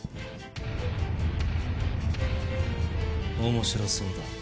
面白そうだ。